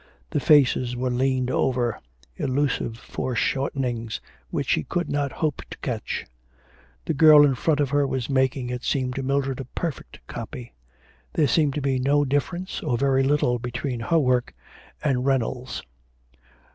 The faces were leaned over illusive foreshortenings which she could not hope to catch. The girl in front of her was making, it seemed to Mildred, a perfect copy. There seemed to be no difference, or very little, between her work and Reynolds's.